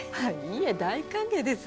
いえ大歓迎です。